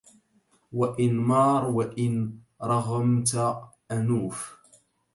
وانمار وإن رغمت أنوف